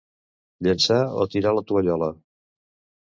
Llançar o tirar la tovallola.